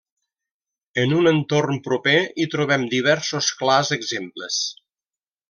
En un entorn proper hi trobem diversos clars exemples.